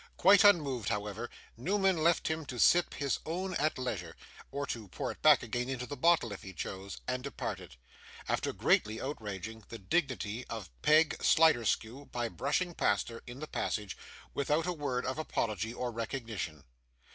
Quite unmoved, however, Newman left him to sip his own at leisure, or to pour it back again into the bottle, if he chose, and departed; after greatly outraging the dignity of Peg Sliderskew by brushing past her, in the passage, without a word of apology or recognition.